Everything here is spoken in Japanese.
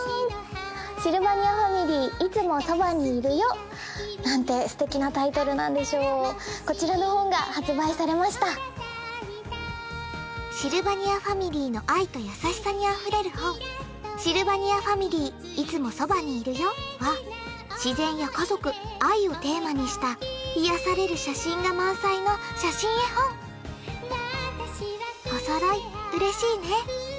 「シルバニアファミリーいつもそばにいるよ」なんて素敵なタイトルなんでしょうこちらの本が発売されましたシルバニアファミリーの愛と優しさにあふれる本「シルバニアファミリーいつもそばにいるよ」は自然や家族愛をテーマにした癒やされる写真が満載の写真絵本いや